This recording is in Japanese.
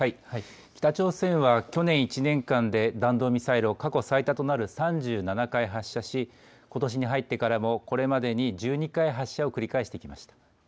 北朝鮮は去年１年間で弾道ミサイルを過去最多となる３７回発射し、ことしに入ってからも、これまでに１２回、発射を繰り返してきました。